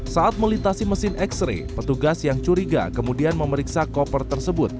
saat melintasi mesin x ray petugas yang curiga kemudian memeriksa koper tersebut